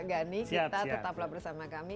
gani kita tetaplah bersama kami